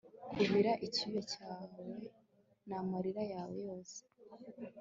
kubira icyuya cyawe namarira yawe yose